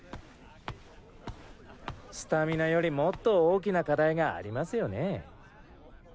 スタミナよりもっと大きな課題がありますよね？